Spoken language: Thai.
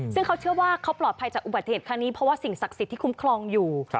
ซึ่งเขาเชื่อว่าเขาปลอดภัยจากอุบัติเหตุครั้งนี้เพราะว่าสิ่งศักดิ์สิทธิ์ที่คุ้มครองอยู่